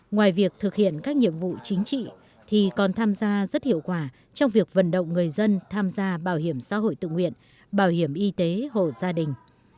ngoài việc thực hiện các nhiệm vụ chính trị thì còn tham gia rất hiệu quả trong việc vận động người dân tham gia bảo hiểm xã hội tự nguyện bảo hiểm y tế hộ gia đình